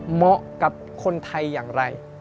เหมาะกับคนไทยอย่างไร